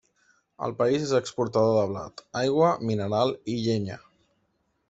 El país és exportador de blat, aigua mineral i llenya.